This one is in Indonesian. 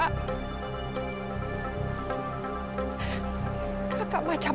kamu itu diminta untuk menjaga riri haris